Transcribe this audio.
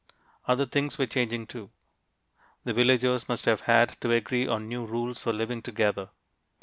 Other things were changing, too. The villagers must have had to agree on new rules for living together.